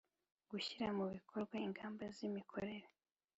gushyira mu bikorwa ingamba z imikorere